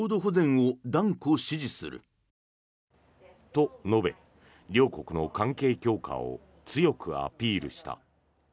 と、述べ両国の関係強化を強くアピールした。